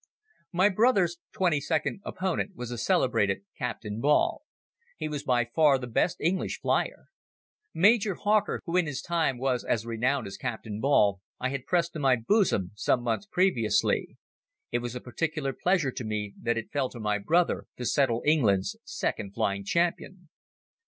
My brother's twenty second opponent was the celebrated Captain Ball. He was by far the best English flier. Major Hawker, who in his time was as renowned as Captain Ball, I had pressed to my bosom some months previously. It was a particular pleasure to me that it fell to my brother to settle England's second flying champion.